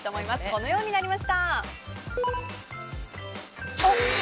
このようになりました。